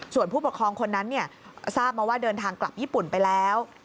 ส่วนผู้ปกครองคนนั้นทราบมาว่าเดินทางกลับญี่ปุ่นไปแล้ว